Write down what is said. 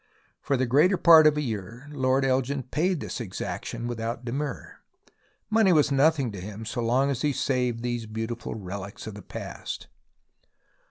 For the greater part of a year Lord Elgin paid this exaction without demur. Money was nothing to him so long as he saved these beautiful relics of the past.